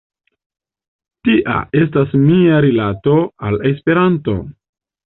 Tia estas mia rilato al Esperanto.